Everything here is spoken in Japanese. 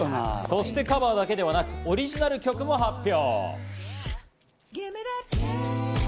そしてカバーだけではなくオリジナル曲も発表。